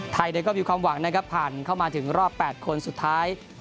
ไทยก็มีความหวังนะครับผ่านเข้ามาถึงรอบ๘คนสุดท้าย